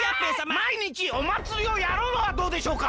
まいにちおまつりをやるのはどうでしょうか？